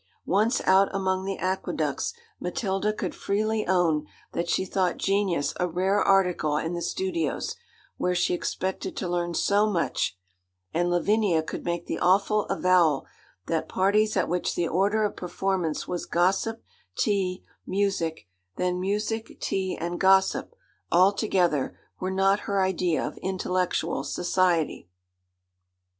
Once out among the aqueducts, Matilda could freely own that she thought genius a rare article in the studios, where she expected to learn so much; and Lavinia could make the awful avowal that parties at which the order of performance was gossip, tea, music then music, tea, and gossip, all together were not her idea of intellectual society.